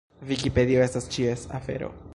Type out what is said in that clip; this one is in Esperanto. Vikipedio estas ĉies afero.